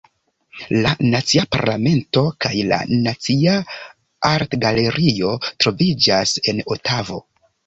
La Nacia Parlamento kaj la Nacia Artgalerio troviĝas en Otavo.